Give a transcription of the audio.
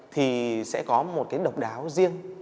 thì sẽ có một cái độc đáo riêng